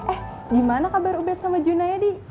eh gimana kabar ubet sama juna ya di